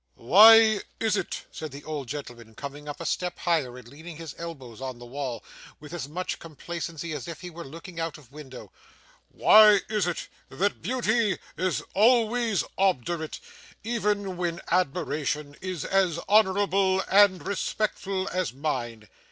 'Why is it,' said the old gentleman, coming up a step higher, and leaning his elbows on the wall, with as much complacency as if he were looking out of window, 'why is it that beauty is always obdurate, even when admiration is as honourable and respectful as mine?